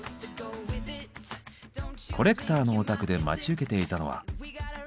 コレクターのお宅で待ち受けていたのは。